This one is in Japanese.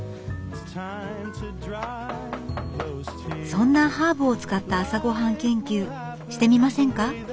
そんなハーブを使った朝ごはん研究してみませんか？